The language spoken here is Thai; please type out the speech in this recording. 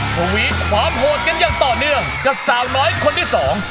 ทวีความโหดกันอย่างต่อเนื่องกับสาวน้อยคนที่สอง